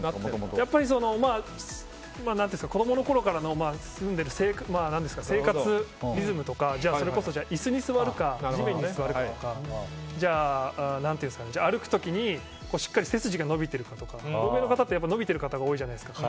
やっぱり、子供のころからの住んでる生活リズムとかそれこそ椅子に座るか、地面に座るかとか歩く時にしっかり背筋が伸びてるとか欧米の方って伸びている方が多いじゃないですか。